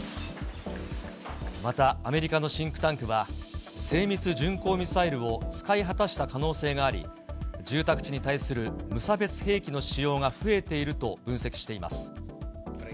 またアメリカのシンクタンクは、精密巡航ミサイルを使い果たした可能性があり、住宅地に対する無差別兵器の使用が増えていると分析しています。